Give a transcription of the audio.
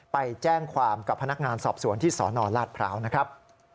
ไปแจ้งความกับพนักงานสอบสวนที่สนราชพร้าวนะครับ